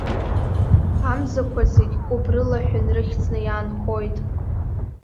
Амзақәа зегь кәыбрылаҳәын рыхьӡны иаанхоит.